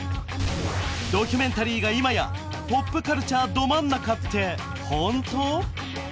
ドキュメンタリーが今やポップカルチャーど真ん中って本当！？